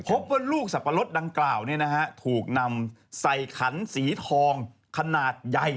พบว่าลูกสับปะรดดังกล่าวถูกนำใส่ขันสีทองขนาดใหญ่